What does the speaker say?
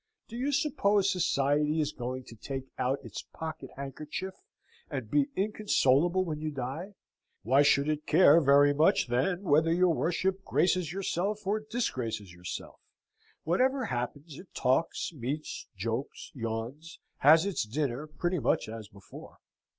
Do you suppose Society is going to take out its pocket handkerchief and be inconsolable when you die? Why should it care very much, then, whether your worship graces yourself or disgraces yourself? Whatever happens it talks, meets, jokes, yawns, has its dinner, pretty much as before.